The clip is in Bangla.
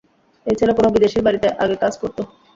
এই ছেলে কোনো বিদেশির বাড়িতে আগে কাজ করত।